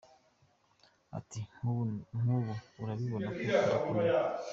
Ati “ Nk'ubu urabibona ko adakomeye.